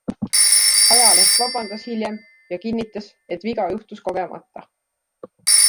Ajaleht vabandas hiljem ja kinnitas, et viga juhtus kogemata.